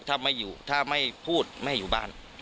ถ้าไม่อยู่ถ้าไม่พูดไม่อยู่บ้าน